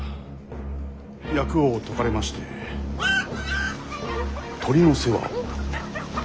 役を解かれまして鶏の世話を。